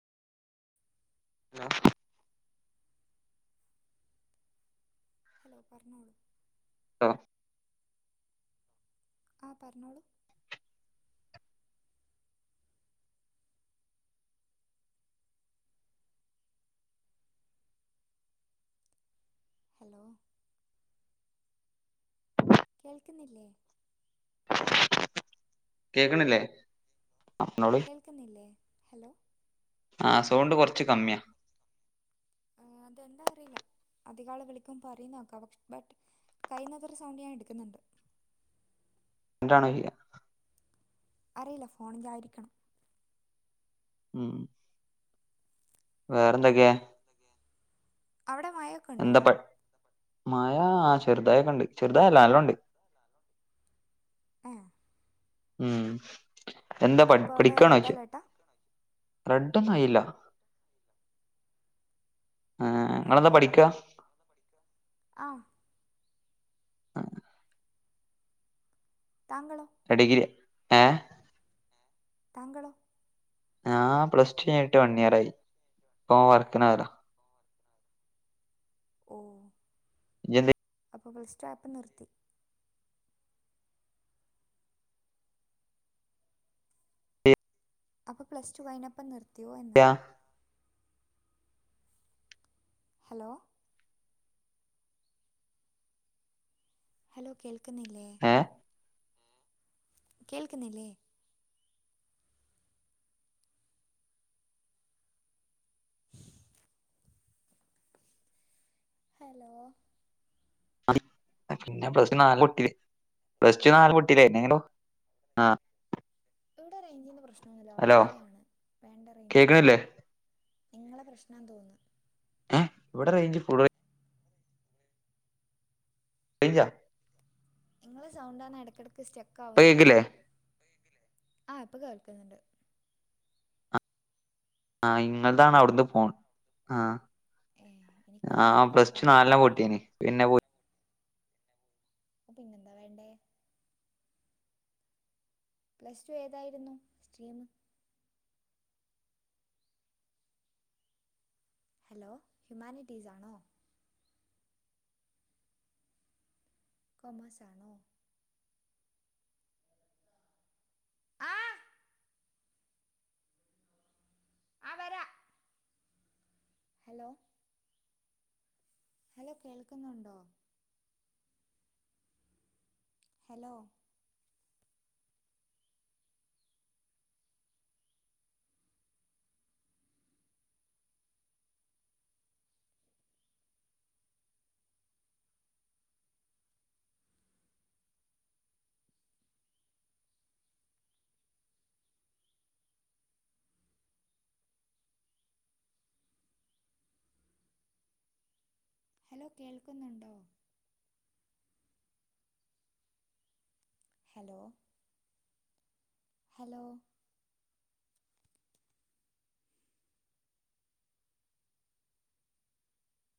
[inaudible] Hello പറഞ്ഞോളൂ ലോ ആഹ് പറഞ്ഞോളൂ ഹലോ കേൾക്കിന്നില്ലേ കേക്കണില്ലേ പർഞ്ഞോളി കേൾക്കുന്നില്ലേ ഹലോ ആഹ് സൗണ്ട് കൊറച്ച് കമ്മിയാ ആ അതെന്താറിയില്ല അധികാളു വിളിക്കു പറയുന്നാ കവക്ഷ് ബട്ട് കയ്യ്‌ന്നത്ര സൗണ്ട് ഞാ എടുക്കുന്നുണ്ട് എന്റാണേലില്ല അറിയില്ല ഫോണിൻ്റായിരിക്കണം ഉംഹ് വേറെന്തൊക്കെ അവടെ മയോക്ക്‌ എന്താപ്പട്ട് മയാ ആഹ് ചെറുതായൊക്കണ്ട് ചെറുതായല്ല നല്ലോണ്ട് ഏഹ് ഉംഹ് എന്താ പഠി അപ്പോൾ അവിടെ റെഡ് പഠിക്കാണോയിച്ച അലേർട്ടാ റെഡൊന്നായില്ല ഏഹ് ഇങ്ങെളെന്താ പഠിക്കാ ആഹ് [unintelligible] താങ്കളോ ഞ ഡിഗിരിയാ ഏഹ് താങ്കളോ ഞാ പ്ലസ് ടു കൈട്ട് വണ്ണിയിറായി ഇപ്പൊ വർക്കനോയതാ ഓഹ് [unintelligible] അപ്പോ പ്ലസ് റ്റൂആയപ്പ നിർത്തി അപ്പൊ പ്ലസ് ടു കൈനപ്പം നിർത്തിയോഎന്ന് ചെയ്യാ ഹലോ ഹലോ കേൾക്കുന്നില്ലേ ഏ കേൾക്കുന്നില്ലേ [inaudible] ഹലോ [unintelligible] പിന്നെ പ്ല നാല് പൊട്ടി. പ്ലസ് ടു നാല് പൊട്ടിലെ പിന്നെങ്ങനെ ആഹ് ഇവിടെ റൈഞ്ചിന്ന് പ്രശ്നംന്നുല്ല വൈഫൈ ആണ് വേണ്ട റെയ്ഞ്ച് ണ്ട് കേക്കണില്ലേ നിങ്ങളെ പ്രശ്ന തോന്നു ഉം ഇവിടെ റേയ്ഞ്ച്ഫുള് റേയ് ഞ്ച നിങ്ങളെ സൗണ്ടാണ് ഇടയ്ക്കിടക്ക് സ്റ്റക്ക് ഇപ്പൊ ആവുന്നു. കേക്കില്ലേ ഇപ്പോള് ആഹ് ഇപ്പൊ കേൾക്കുന്നുണ്ട്. ആഹ് ഇങ്ങതാണ് അവിടുന്ന് പോണ്. ആഹ് ഏ എനിക്ക് ആഹ് നിങ്ങളതാ പ്ലസ് ടു പോകുന്ന നാലെണ്ണം കാണുന്നു പൊട്ടിയിനി പിന്നെ പോ അപ്പോ പിന്നെന്താ വേണ്ടേ. പ്ലസ് ടു ഏതായിരുന്നു സ്ട്രീം. ഹലോ ഹ്യുമാനിറ്റീസ് ആണോ? കോമേഴ്‌സ് ആണോ? ആഹ് ആഹ് വരാം. ഹലോ ഹലോ കേൾക്കുന്നുണ്ടോ? ഹലോ ഹലോ കേൾക്കുന്നുണ്ടോ? Hello hello